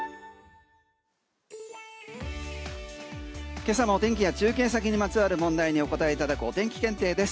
今朝の天気や中継先にまつわる問題にお答えいただくお天気検定です。